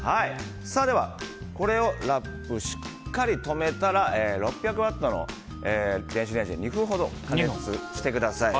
ではこれをラップしっかり止めたら６００ワットの電子レンジで２分ほど加熱してください。